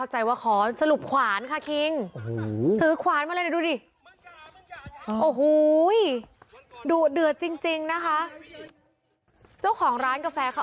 หาว่าทิ้งได้อย่างในร้านเขา